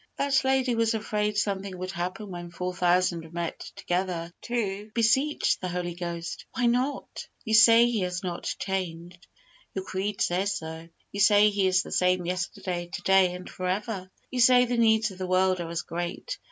That lady was afraid something would happen when 4,000 met together to beseech the Holy Ghost! Why not? You say He has not changed. Your creed says so. You say He is the same yesterday, to day and forever. You say the needs of the world are as great.